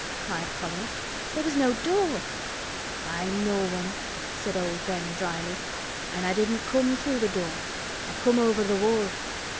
cried Colin. "There was no door!" "I'm no one," said old Ben dryly. "An' I didn't come through th' door. I come over th' wall.